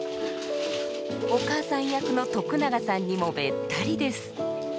お母さん役の徳永さんにもべったりです